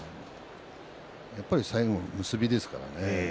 やっぱり最後、結びですからね。